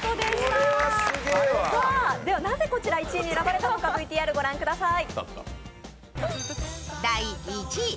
なぜ、こちら１位に選ばれたのか、ＶＴＲを御覧ください。